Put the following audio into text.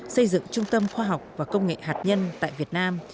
xây dựng trung tâm khoa học và công nghệ hạt nhân tại việt nam